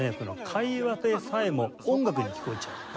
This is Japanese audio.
会話でさえも音楽に聞こえちゃう。